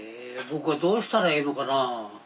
僕はどうしたらええのかな。